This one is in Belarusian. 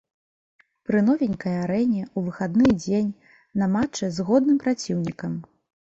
Пры новенькай арэне, у выхадны дзень, на матчы з годным праціўнікам.